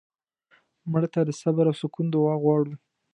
مړه ته د صبر او سکون دعا غواړو